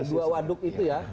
dua waduk itu ya